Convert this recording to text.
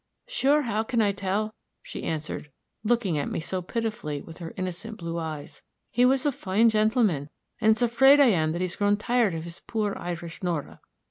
"'Sure, how can I tell?' she answered, looking at me so pitifully with her innocent blue eyes. 'He was a fine gentleman, and it's afraid I am that he's grown tired of his poor Irish Nora.'